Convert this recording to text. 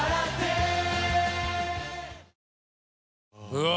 うわ！